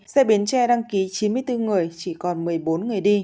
xe bến tre đăng ký chín mươi bốn người chỉ còn một mươi bốn người đi